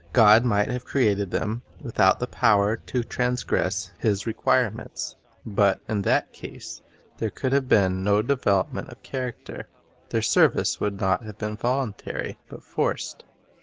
God might have created them without the power to transgress His requirements; but in that case there could have been no development of character; their serv ice would not have been voluntary, but forced.